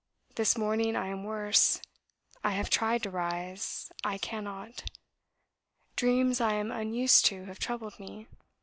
This morning I am worse. I have tried to rise. I cannot. Dreams I am unused to have troubled me.'